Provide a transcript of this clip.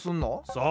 そう。